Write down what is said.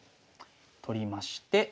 取りまして。